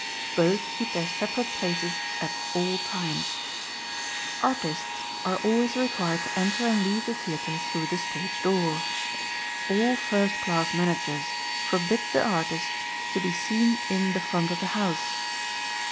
Both keep their separate places at all times. Artists are always required to enter and leave the theatre through the stage door. All first class managers forbid the artists to be seen in "the front of the house."